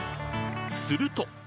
すると！